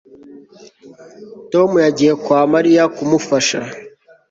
Tom yagiye kwa Mariya kumufasha